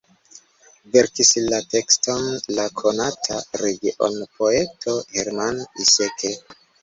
Verkis la tekston la konata regionpoeto Hermann Iseke.